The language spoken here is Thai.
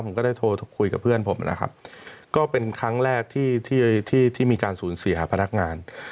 ผมก็ได้โทรคุยกับเพื่อนผมนะครับก็เป็นครั้งแรกที่ที่มีการสูญเสียพนักงาน